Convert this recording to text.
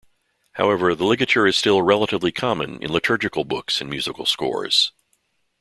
However, the ligature is still relatively common in liturgical books and musical scores.